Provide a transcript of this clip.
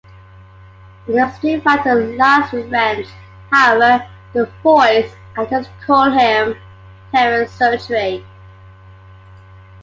In "The Street Fighter's Last Revenge", however, the voice actors call him "Terry Sugury.